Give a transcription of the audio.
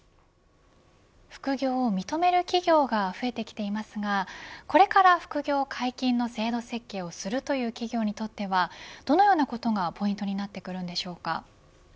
副業を認める企業が増えてきていますがこれから副業解禁の制度設計をするという企業にとってはどのようなことがポイントになってくるんでしょうか。